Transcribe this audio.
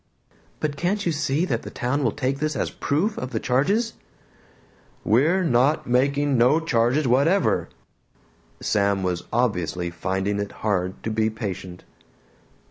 "But can't you see that the town will take this as proof of the charges?" "We're not making no charges whatever!" Sam was obviously finding it hard to be patient.